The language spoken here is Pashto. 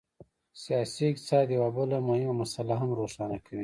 سیاسي اقتصاد یوه بله مهمه مسله هم روښانه کوي.